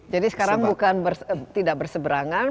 jadi sekarang bukan tidak berseberangan